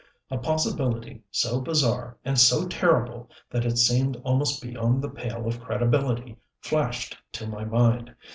A possibility so bizarre and so terrible that it seemed almost beyond the pale of credibility flashed to my mind.